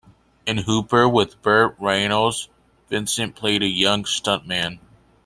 In "Hooper" with Burt Reynolds, Vincent played a young stuntman.